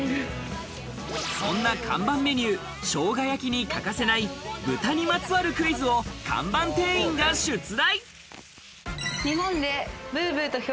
そんな看板メニュー、生姜焼きに欠かせない豚にまつわるクイズを看板店員が出題。